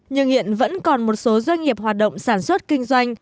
nhưng hiện vẫn còn một số doanh nghiệp hoạt động sản xuất kinh doanh